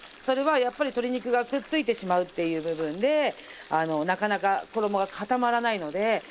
それはやっぱり鶏肉がくっついてしまうっていう部分でなかなか衣が固まらないので。